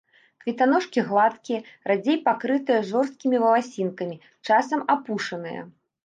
Кветаножкі гладкія, радзей пакрытыя жорсткімі валасінкамі, часам апушаныя.